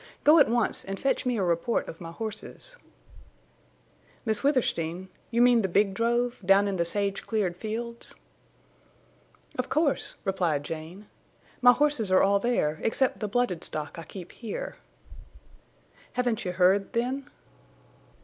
"Go at once and fetch me a report of my horses." "Miss Withersteen!... You mean the big drove—down in the sage cleared fields?" "Of course," replied Jane. "My horses are all there, except the blooded stock I keep here." "Haven't you heard—then?"